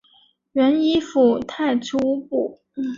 原依附泰赤乌部。